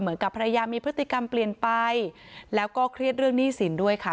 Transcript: เหมือนกับภรรยามีพฤติกรรมเปลี่ยนไปแล้วก็เครียดเรื่องหนี้สินด้วยค่ะ